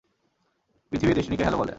পৃথিবী, ডেস্টিনিকে হ্যালো বলো।